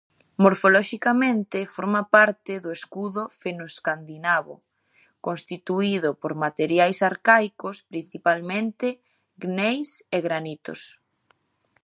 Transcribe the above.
Morfoloxicamente forma parte do escudo fenoscandinavo, constituído por materiais arcaicos, principalmente gneis e granitos.